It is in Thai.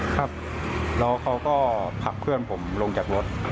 ครับแล้วเขาก็ผลักเพื่อนผมลงจากรถ